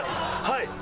はい。